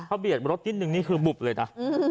เขาเบียดรถนิดนึงนี่คือบุบเลยนะ